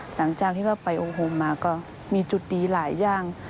หลังจากที่ว่าไปโอโฮมมาก็มีจุดดีหลายอย่าง